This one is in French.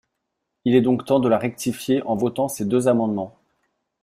Il est donc temps de la rectifier en votant ces deux amendements.